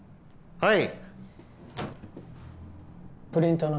はい。